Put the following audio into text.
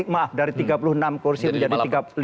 maaf dari tiga puluh enam kursi menjadi tiga puluh lima